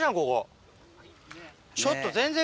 ちょっと。